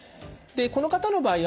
この方の場合